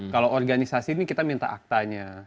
kalau organisasi ini kita minta aktanya